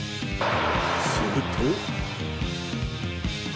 すると。